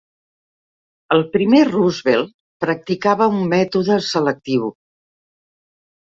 El primer Roosevelt practicava un mètode selectiu.